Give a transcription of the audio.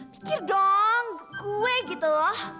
pikir dong kue gitu loh